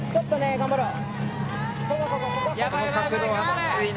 頑張ろう！